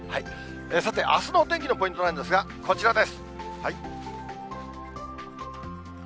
さて、あすのお天気のポイントなんですが、こちらです。